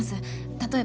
例えば。